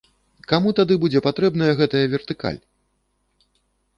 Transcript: Каму тады будзе патрэбная гэтая вертыкаль?